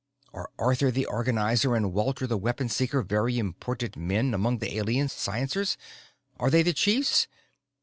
"Are Arthur the Organizer and Walter the Weapon Seeker very important men among the Alien sciencers? Are they the chiefs?